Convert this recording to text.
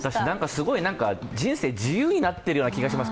すごい人生、自由になっているような気がします。